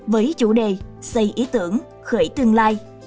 với chủ đề xây ý tưởng khởi tương lai